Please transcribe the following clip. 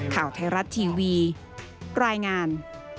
ข่าวไทยรัฐทีวีรายงาน